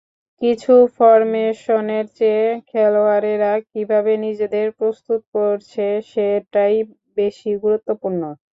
কিন্তু ফরমেশনের চেয়ে খেলোয়াড়েরা কীভাবে নিজেদের প্রস্তুত করছে, সেটাই বেশি গুরুত্বপূর্ণ।